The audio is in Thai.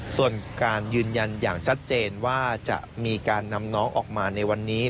ส่วนการยืนยันอย่างชัดเจนว่าจะมีการนำน้องออกมาในวันนี้